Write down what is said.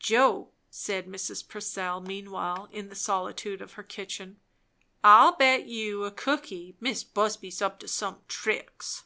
"Joe," said Mrs. Purcell meanwhile in the solitude of her kitchen, "I'll bet you a cookie, Mis' Busby's up to some tricks!"